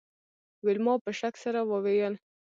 ویلما په شک سره وویل